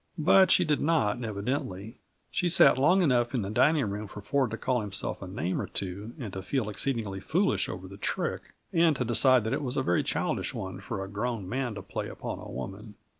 But she did not, evidently. She sat long enough in the dining room for Ford to call himself a name or two and to feel exceedingly foolish over the trick, and to decide that it was a very childish one for a grown man to play upon a woman.